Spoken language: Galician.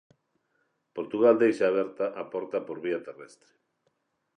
Portugal deixa aberta a porta por vía terrestre.